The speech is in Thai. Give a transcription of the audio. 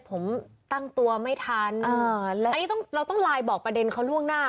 ผมตั้งตัวไม่ทันอันนี้ต้องเราต้องไลน์บอกประเด็นเขาล่วงหน้า